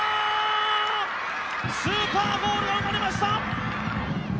スーパーゴールが生まれました！